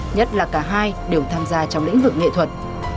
nhất là cả hai đều tham gia trong lĩnh vực nghệ thuật